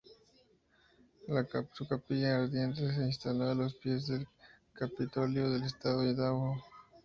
Su capilla ardiente se instaló a los pies del Capitolio del Estado de Idaho.